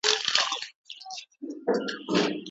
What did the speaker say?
د ملګرو مثبت اغیزه د بریالیتوب لامل ګرځي.